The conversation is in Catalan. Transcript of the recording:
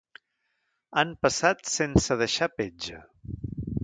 Han passat sense deixar petja.